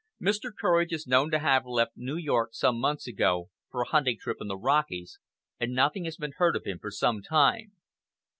Mr. Courage is known to have left New York some months ago, for a hunting trip in the Rockies, and nothing has been heard of him for some time.